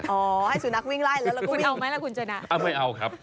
เอาไหมล่ะคุณจนะอ้าวไม่เอาครับ